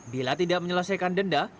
bila tidak menyelesaikan denda